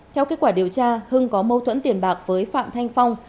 theo kết quả điều tra hưng có mâu thuẫn tiền bạc với phạm thanh phong